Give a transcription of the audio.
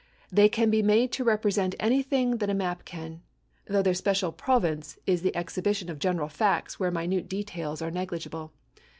They can be made to represent anything that any map can, though their special province is the exhibition of general facts where minute details are negligible.